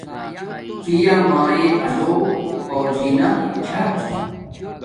پیامایے آلو پورجنا چھا